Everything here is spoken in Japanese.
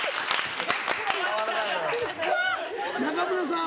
仲村さん